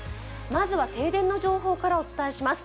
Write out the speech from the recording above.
まずは停電の情報からお伝えします。